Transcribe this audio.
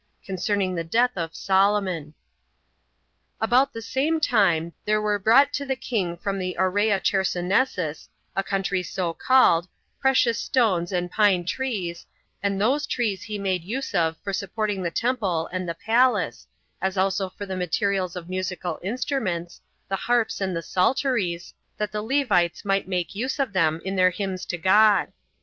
Concerning The Death Of Solomon. 1. About the same time there were brought to the king from the Aurea Chersonesus, a country so called, precious stones, and pine trees, and these trees he made use of for supporting the temple and the palace, as also for the materials of musical instruments, the harps and the psalteries, that the Levites might make use of them in their hymns to God.